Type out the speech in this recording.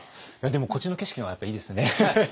でもこっちの景色の方がやっぱいいですね。